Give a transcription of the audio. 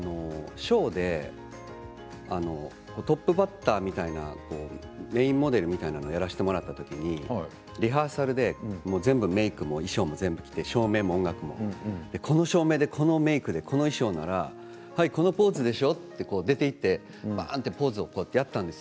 ショーでトップバッターみたいなメインモデルみたいなものをやらせてもらった時にリハーサルで全部メークも衣装も着てこの音楽でこの照明ならこのポーズでしょう、とポーズをやったんです。